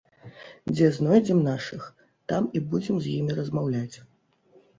Дзе знойдзем нашых, там і будзем з імі размаўляць!